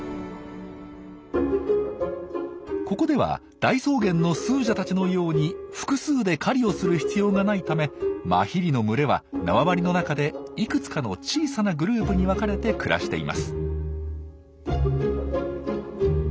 ここでは大草原のスージャたちのように複数で狩りをする必要がないためマヒリの群れは縄張りの中でいくつかの小さなグループに分かれて暮らしています。